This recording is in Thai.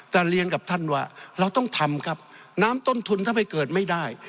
แต่เรียนกับท่านว่าเราต้องทำครับน้ำต้นทุนถ้าไปเกิดไม่ได้